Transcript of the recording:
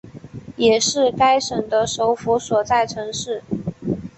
也是该省的首府所在城市。